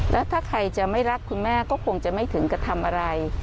แล้วถ้าใครจะไม่รักคุณแม่ก็คงจะไม่ถึงกระทำอะไร